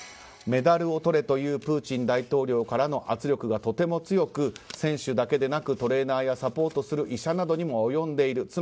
メダルをとれというプーチン大統領からの圧力がとても強く選手だけでなくトレーナーや、サポートする医者などにも及んでいる。